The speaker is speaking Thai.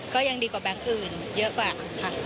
ก็ยังดีกว่าแบงค์อื่นเยอะกว่าค่ะ